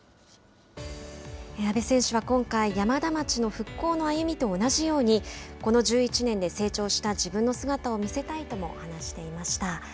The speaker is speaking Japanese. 阿部選手は今回、山田町の復興の歩みと同じようにこの１１年で成長した自分の姿を見せたいとも話していました。